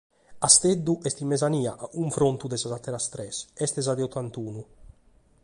Casteddu est in mesania a cunfrontu de sas àteras tres: est sa de otantunu.